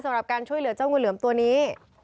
สำหรับการช่วยเหลือเจ้างูเหลือมตัวนี้